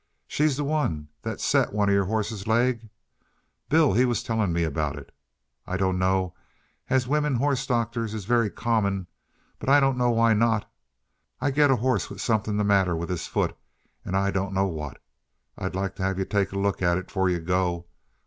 She the one that set one uh your horse's leg? Bill, he was tellin' about it. I dunno as wimmin horse doctors is very common, but I dunno why not. I get a horse with somethin' the matter of his foot, and I dunno what. I'd like t' have ye take a look at it, fore ye go.